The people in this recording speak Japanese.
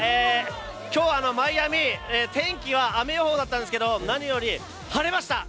今日、マイアミは天気は雨予報だったんですが何より晴れました。